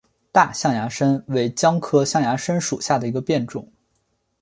大象牙参为姜科象牙参属下的一个变种。